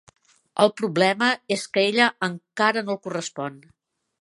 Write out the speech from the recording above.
El problema és que ella encara no el correspon.